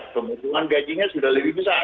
pembentukan gajinya sudah lebih besar